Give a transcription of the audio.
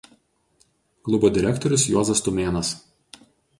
Klubo direktorius Juozas Tumėnas.